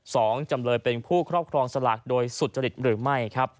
สองจำเลยเป็นผู้ครอบครองสลากโดยสุจริตหรือไม่ครับ